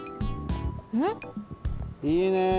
いいね！